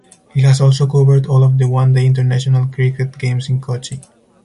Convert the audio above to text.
He has also covered all of the One Day International cricket games in Kochi.